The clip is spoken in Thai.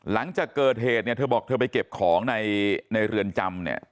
หลังจากเกิดเหตุเนี่ยเธอบอกเธอไปเก็บของในเรือนจำเนี่ย